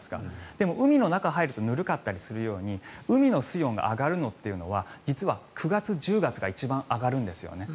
でも海の中に入るとぬるかったりするように海の水温が上がるのは実は９月１０月が一番上がるんですよね。